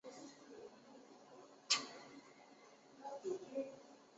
曾于哈佛大学甘乃迪政府学院等计画研究。